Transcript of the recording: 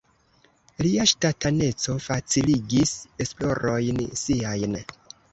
Lia ŝtataneco faciligis esplorojn siajn.